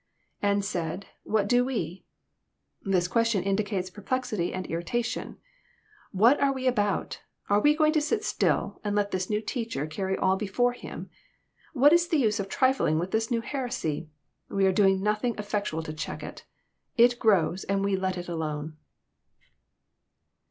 [^And said, WJiat do we?"] This question indicates perplexity and irritation. ''What are we about? Are we going to sit still, and let this new Teacher carry all before Him ? What is the use of trifling with this new heresy ? We are doing noth ing effectual to check it. It grows ; and we let it alone."